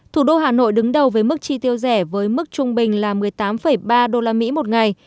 thủ đô hà nội đứng đầu với mức chi tiêu rẻ với mức trung bình là một mươi tám ba usd một ngày